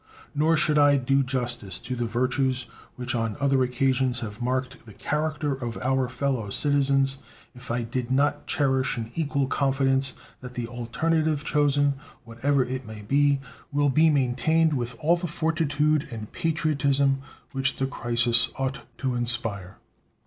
Nor should I do justice to the virtues which on other occasions have marked the character of our fellow citizens if I did not cherish an equal confidence that the alternative chosen, whatever it may be, will be maintained with all the fortitude and patriotism which the crisis ought to inspire.